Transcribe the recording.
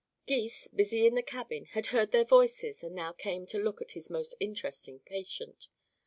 Gys, busy in the cabin, had heard their voices and now came to look at his most interesting patient.